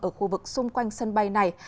ở khu vực xung quanh sân bay này